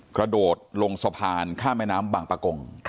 กระโดดลงสะพานข้ามแม่น้ำบางปะกง